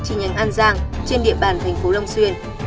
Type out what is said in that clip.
chi nhánh an giang trên địa bàn tp long xuyên